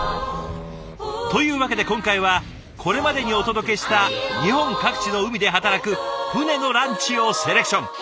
というわけで今回はこれまでにお届けした日本各地の海で働く船のランチをセレクション。